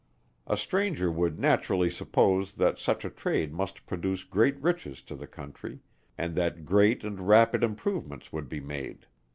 A stranger would naturally suppose, that such a trade must produce great riches to the country; and that great and rapid improvements would be made.